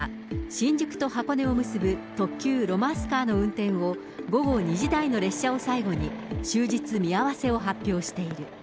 また、小田急電鉄は、新宿と箱根を結ぶ特急ロマンスカーの運転を、午後２時台の列車を最後に終日見合わせを発表している。